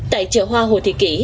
tại chợ hoa hồ thị kỷ